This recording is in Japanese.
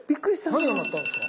何が鳴ったんですか？